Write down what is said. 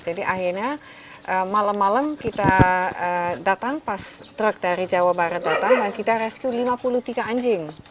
jadi akhirnya malam malam kita datang pas truk dari jawa barat datang dan kita rescue lima puluh tiga anjing